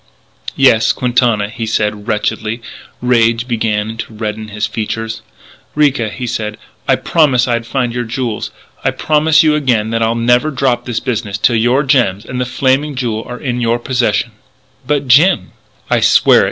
"Yes; Quintana," he said wretchedly. Rage began to redden his features. "Ricca," he said, "I promised I'd find your jewels.... I promise you again that I'll never drop this business until your gems and the Flaming Jewel are in your possession " "But, Jim " "I swear it!"